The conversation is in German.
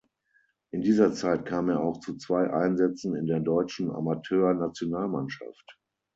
In dieser Zeit kam er auch zu zwei Einsätzen in der deutschen Amateur-Nationalmannschaft.